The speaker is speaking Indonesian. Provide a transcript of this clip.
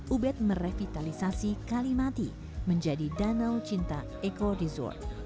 ubed merevitalisasi kalimati menjadi danau cinta eco desort